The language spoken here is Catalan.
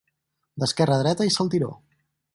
D'esquerra a dreta i saltiró.